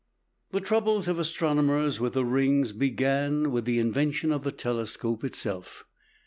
The troubles of astronomers with the rings began with the invention of the telescope itself.